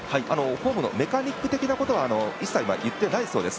フォームのメカニックのことは一切言っていないそうです。